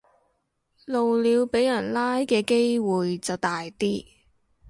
露鳥俾人拉嘅機會就大啲